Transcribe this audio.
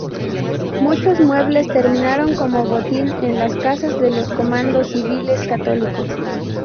Muchos muebles terminaron como botín en las casas de los comandos civiles católicos.